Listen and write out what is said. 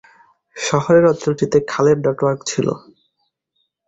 শহরের অঞ্চলটিতে খালের নেটওয়ার্ক ছিল।